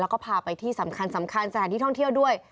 แล้วก็พาไปที่สำคัญสถานที่ท่องเที่ยวด้วย